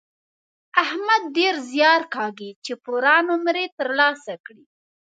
احمد ډېر زیار کاږي چې پوره نومرې تر لاسه کړي.